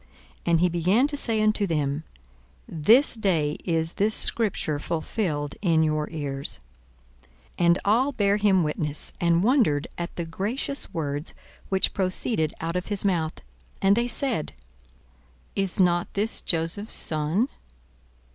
42:004:021 And he began to say unto them, This day is this scripture fulfilled in your ears. 42:004:022 And all bare him witness, and wondered at the gracious words which proceeded out of his mouth. And they said, Is not this Joseph's son?